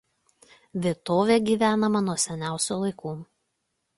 Vietovė gyvenama nuo seniausių laikų.